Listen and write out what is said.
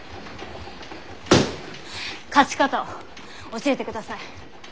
勝ち方を教えてください。